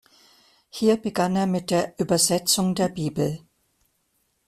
Hier begann er mit der Übersetzung der Bibel.